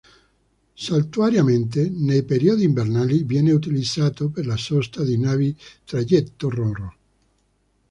Saltuariamente, nei periodi invernali, viene utilizzato per la sosta di navi traghetto Ro-Ro.